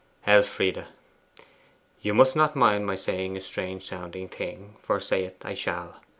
'Elfride, you must not mind my saying a strange sounding thing, for say it I shall.